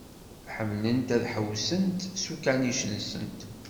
Ḥemmlent ad ḥewsent s ukanic-nsent.